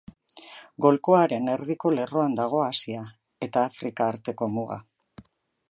Golkoaren erdiko lerroan dago Asia eta Afrika arteko muga.